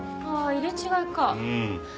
入れ違いか。